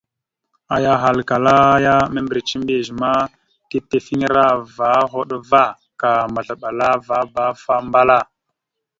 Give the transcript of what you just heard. Aya ahalkala ya: « Membireca mbiyez ma, tepefiŋirava hoɗ ava ka mazləlavaba afa ambal a. ».